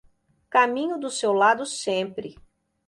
Caminho do seu lado sempre